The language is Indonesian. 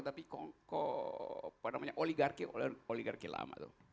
tapi kok oligarki lama